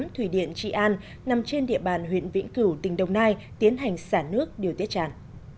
thủy điện trị an nằm trên địa bàn huyện vĩnh cửu tỉnh đồng nai tiến hành xả nước điều tiết tràn